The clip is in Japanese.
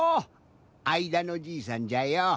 あいだのじいさんじゃよ。